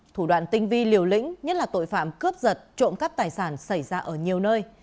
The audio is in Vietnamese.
thủ đoạn tinh vi liều lĩnh nhất là tội phạm cướp giật trộm cắp tài sản xảy ra ở nhiều nơi